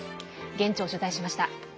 現地を取材しました。